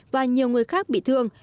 và nhiều người khác bị thương